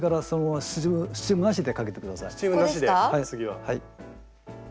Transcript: はい。